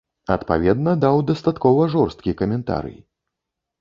Адпаведна, даў дастаткова жорсткі каментарый.